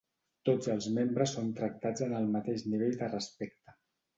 Tots els membres són tractats en el mateix nivell de respecte.